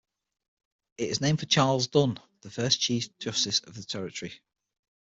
It is named for Charles Dunn, first chief justice of the territory.